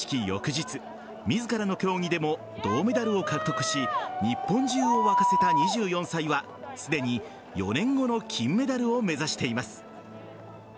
翌日自らの競技でも銅メダルを獲得し日本中を沸かせた２４歳はすでに４年後の金メダルを目指しています。